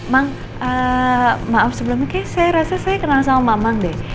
mang maaf sebelumnya saya rasa saya kenal sama mamang deh